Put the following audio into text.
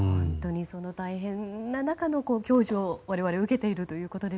その大変な中の享受を我々受けていると。